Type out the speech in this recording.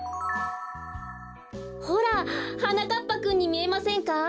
ほらはなかっぱくんにみえませんか？